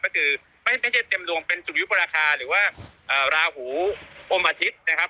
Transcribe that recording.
ก็คือไม่ได้เต็มดวงเป็นสุยุปราคาหรือว่าราหูอมอาทิตย์นะครับ